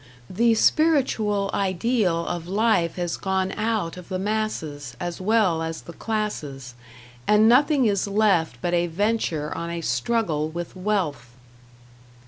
The spiritual ideal of life has gone out of the masses as well as the classes, and nothing is left but a venture on a struggle with wealth.